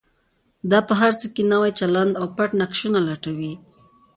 دا په هر څه کې نوی چلند او پټ نقشونه لټوي.